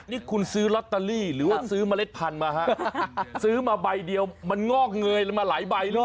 นี่คุณซื้อลอตเตอรี่หรือว่าซื้อเมล็ดพันธุ์มาฮะซื้อมาใบเดียวมันงอกเงยมาหลายใบเลย